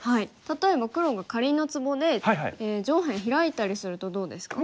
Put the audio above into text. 例えば黒がかりんのツボで上辺ヒラいたりするとどうですか？